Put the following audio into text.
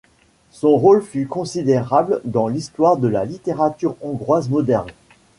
Son rôle fut considérable dans l'histoire de la littérature hongroise moderne.